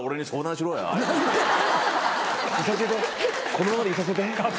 このままでいさせて。